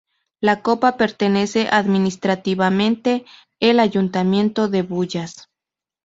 La Copa pertenece administrativamente el Ayuntamiento de Bullas.